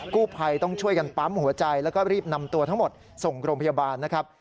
กู้ภัยต้องช่วยกันปั๊มหัวใจแล้วก็รีบนำตัวทั้งหมดส่งโรงพยาบาลนะครับ